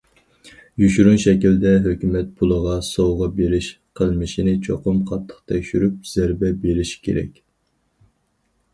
يوشۇرۇن شەكىلدە ھۆكۈمەت پۇلىغا سوۋغا بېرىش قىلمىشىنى چوقۇم قاتتىق تەكشۈرۈپ زەربە بېرىش كېرەك.